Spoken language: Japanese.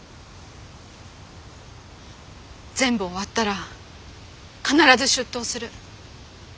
全部終わったら必ず出頭する。